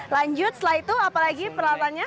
lanjut setelah itu apalagi peralatannya